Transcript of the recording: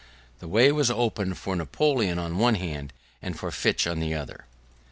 The way was opened for Napoleon on the one hand and for Fichte on the other.